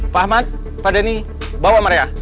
pak ahmad pak denny bawa mereka